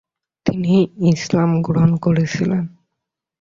তিনি ইসলাম গ্রহণ করেছিলেন।